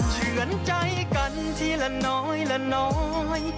เฉือนใจกันทีละน้อยละน้อย